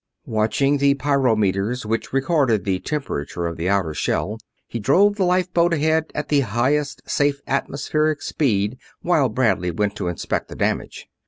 Watching the pyrometers which recorded the temperature of the outer shell, he drove the lifeboat ahead at the highest safe atmospheric speed while Bradley went to inspect the damage.